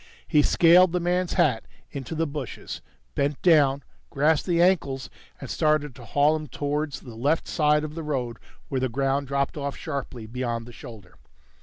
He scaled the man's hat into the bushes, bent down, grasped the ankles and started to haul him towards the left side of the road where the ground dropped off sharply beyond the shoulder.